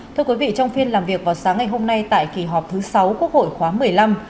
thưa quý vị trong phiên làm việc vào sáng ngày hôm nay tại kỳ họp thứ sáu quốc hội khóa một mươi năm